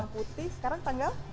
bulan putih sekarang tanggal